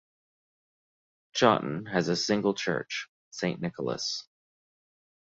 Chawton has a single church, Saint Nicholas.